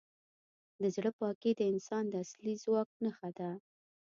د زړه پاکي د انسان د اصلي ځواک نښه ده.